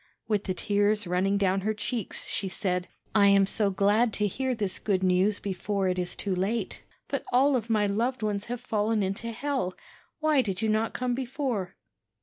With the tears running down her cheeks, she said: 'I am so glad to hear this good news before it it too late; but all of my loved ones have fallen into hell. Why did you not come before?'